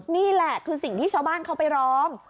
นี่แหละคือสิ่งที่ชาวบ้านเขาไปร้อง